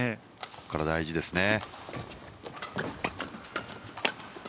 ここから大事ですね。